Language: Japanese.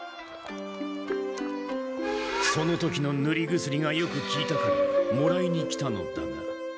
その時のぬり薬がよくきいたからもらいに来たのだか。